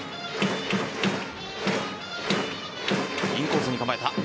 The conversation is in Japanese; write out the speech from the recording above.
インコースに構えた。